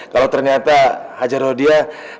kalo ternyata hajar rodia